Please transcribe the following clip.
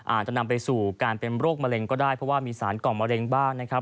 อาจจะนำไปสู่การเป็นโรคมะเร็งก็ได้เพราะว่ามีสารกล่องมะเร็งบ้างนะครับ